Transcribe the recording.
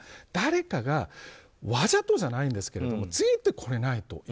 誰かがわざとじゃないんですけどついてこれないと。